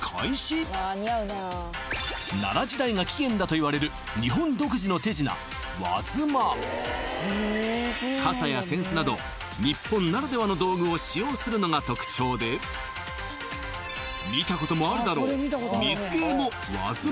奈良時代が起源だといわれる日本独自の手品和妻傘や扇子など日本ならではの道具を使用するのが特徴で見たこともあるだろう